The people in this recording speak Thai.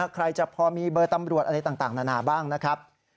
ใครจะพอมีเบอร์ตำรวจอะไรต่างนานาบ้างนะครับ